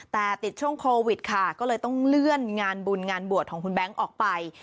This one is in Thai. แต่ติดช่วงโควิดค่ะก็เลยต้องเลื่อนงานบุญงานบวชของคุณแบงค์ออกไป